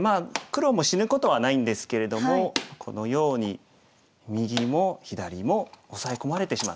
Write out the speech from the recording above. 黒も死ぬことはないんですけれどもこのように右も左もオサエ込まれてしまって。